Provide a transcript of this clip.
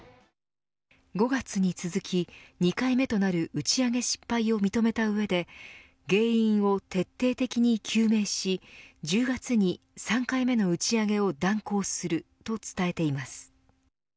５月に続き２回目となる打ち上げ失敗を認めた上で原因を徹底的に究明し１０月に３回目の打ち上げを断行すると伝えています。